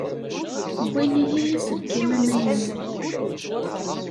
Wwin-iyi aselkim amaynu.